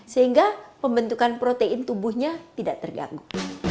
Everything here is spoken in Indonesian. sehingga pembentukan protein tubuhnya tidak terganggu